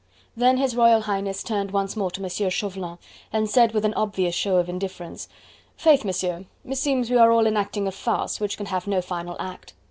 Then His Royal Highness turned once more to Monsieur Chauvelin and said with an obvious show of indifference: "Faith, Monsieur! meseems we are all enacting a farce, which can have no final act.